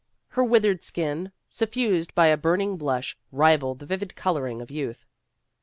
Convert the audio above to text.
Her withered skin, suffused by a burning blush, rivalled the vivid coloring of youth.